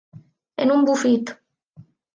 En un bufit.